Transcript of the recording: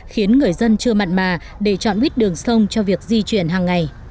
khiến người dân chưa mặn mà để chọn buýt đường sông cho việc di chuyển hàng ngày